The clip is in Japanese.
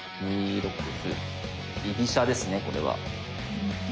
居飛車ですねこれは。